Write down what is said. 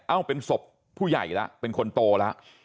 เอ้าเป็นศพผู้ใหญ่ละเป็นคนโตละ